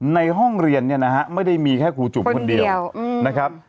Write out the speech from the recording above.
ในห้องเรียนเนี่ยนะฮะไม่ได้มีแค่ครูจุ๋มคนเดียวนะครับ